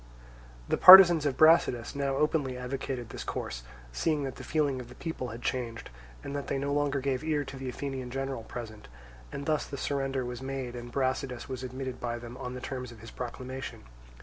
The partisans of Brasidas now openly advocated this course, seeing that the feeling of the people had changed, and that they no longer gave ear to the Athenian general present; and thus the surrender was made and Brasidas was admitted by them on the terms of his proclamation.